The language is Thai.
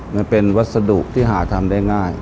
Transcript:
มันเป็นวัสดุที่หาทำได้ง่าย